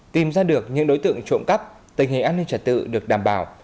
tìm ra được những đối tượng trộm cắp tình hình an ninh trật tự được đảm bảo